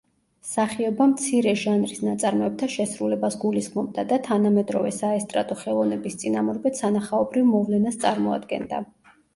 სახიობა მცირე ჟანრის ნაწარმოებთა შესრულებას გულისხმობდა და თანამედროვე საესტრადო ხელოვნების წინამორბედ სანახაობრივ მოვლენას წარმოადგენდა.